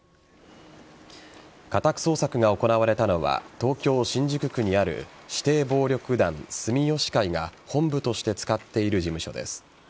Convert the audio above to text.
家宅捜索が行われたのは東京・新宿区にある指定暴力団・住吉会が本部として使っている事務所です。